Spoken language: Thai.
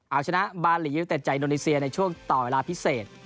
เอาชนะบาลียูเต็ดจากอินโดนีเซียในช่วงต่อเวลาพิเศษ